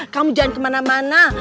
kamu jangan kemana mana